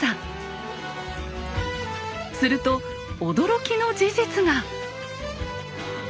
すると驚きの事実が！